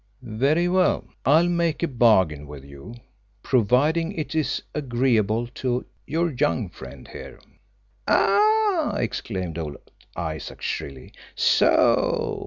"Very well, I'll make a bargain with you providing it is agreeable to your young friend here." "Ah!" exclaimed old Isaac shrilly. "So!